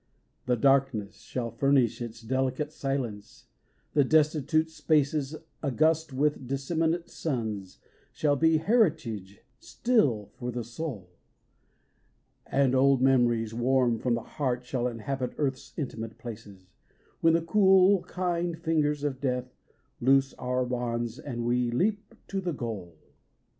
The darkness shall furnish its delicate silence, the destitute spaces 39 THE GATES OF LIFE August with disseminate suns shall be heritage still for the soul, And old memories warm from the heart shall inhabit earth's intimate places, When the cool, kind fingers of death loose our bonds and we leap to the goal.